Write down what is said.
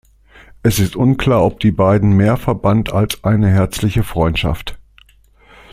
Es ist unklar, ob die beiden mehr verband als eine herzliche Freundschaft.